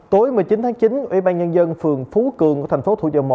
tối một mươi chín tháng chín ủy ban nhân dân phường phú cường của thành phố thủ dầu một